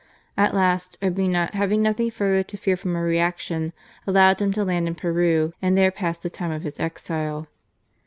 At last, Urbina having nothing further to fear from a reaction, allowed him to land in Peru and there pass the time of his exile.